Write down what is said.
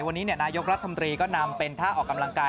วันนี้นายกรัฐมนตรีก็นำเป็นท่าออกกำลังกาย